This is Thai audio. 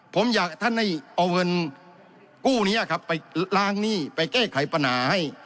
ผมอยากให้ท่านให้เอาเงินกู้นี้ครับไปล้างหนี้ไปแก้ไขปัญหาให้